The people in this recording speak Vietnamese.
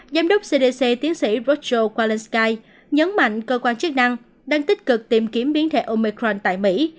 giám đốc cdc tiến sĩ roger walensky nhấn mạnh cơ quan chức năng đang tích cực tìm kiếm biến thể omicron tại mỹ